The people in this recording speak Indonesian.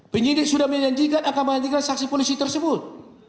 penyidik sudah menyajikan akan menyatakan saksi polisi tersebut